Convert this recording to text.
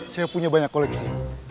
saya punya banyak koleksi